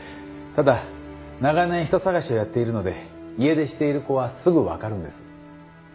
ただ長年人捜しをやっているので家出している子はすぐわかるんです。